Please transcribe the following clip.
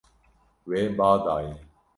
We ba daye.